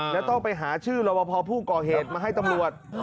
แล้วต้องไปหาชื่อรอบพอผู้ก่อเหตุมาให้ตำรวจ